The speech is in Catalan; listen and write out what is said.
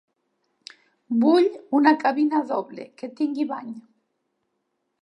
Vull una cabina doble, que tingui bany.